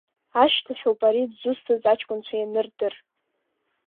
Ашьҭахьоуп ари дзусҭаз аҷкәынцәа ианырдыр.